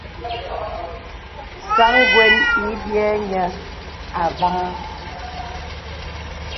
Sāŋ gwə́n ï biə̂ niə avàhàŋ.